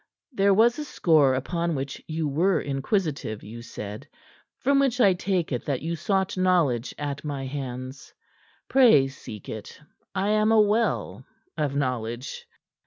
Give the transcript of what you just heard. There was a score upon which you were inquisitive, you said; from which I take it that you sought knowledge at my hands. Pray seek it; I am a well, of knowledge."